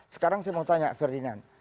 sekarang saya mau tanya ferdinand